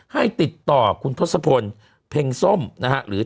มันติดคุกออกไปออกมาได้สองเดือน